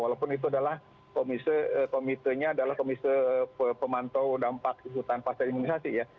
walaupun itu adalah komiternya adalah komisi pemantau dampak keseluruhan fase imunisasi ya